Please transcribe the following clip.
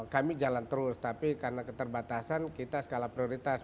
kami jalan terus tapi karena keterbatasan kita skala prioritas